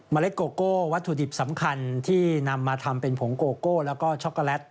เล็ดโกโก้วัตถุดิบสำคัญที่นำมาทำเป็นผงโกโก้แล้วก็ช็อกโกแลต